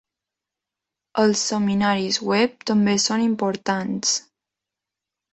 Els seminaris web també són importants.